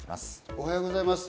おはようございます。